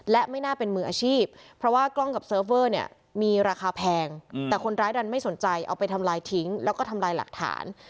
และไม่น่าเป็นมืออาชีพเพราะว่ากล้องกับเซิร์ฟเวอร์เนี่ยมีราคาแพงแต่คนร้ายดันไม่สนใจเอาไปทำลายทิ้งแล้วก็ทำลายหลักฐาน